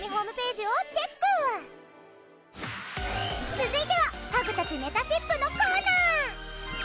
続いてはハグたちめたしっぷのコーナー！